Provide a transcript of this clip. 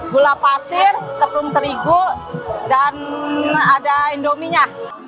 gula pasir tepung terigu dan ada indomienya